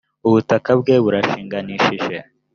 ubutaka bwe burashinganishije.